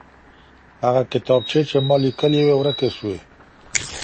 هغه کتابچې چي ما ليکلې وې ورکې سوې.